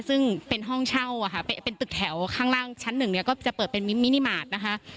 ซึ่งเป็นห้องเช่าเป็นตึกแถวข้างล่างชั้นหนึ่งเนี่ยก็จะเปิดเป็นมิตรมินิมาตรนะคะ